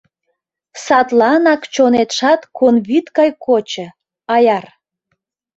Садланак чонетшат конвӱд гай кочо, аяр.